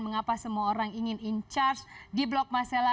mengapa semua orang ingin in charge di blok masela